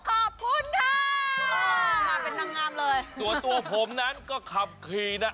ขอบคุณค่ะมาเป็นนางงามเลยส่วนตัวผมนั้นก็ขับขี่นะ